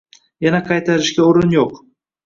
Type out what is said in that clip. Yana qaytarishga o’rin yo’q.